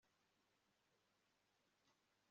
mvugoshusho babivugira ku muntu afi te